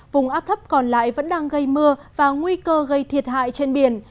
vùng áp thấp còn lại vẫn đang gây mưa và nguy cơ gây thiệt hại trên biển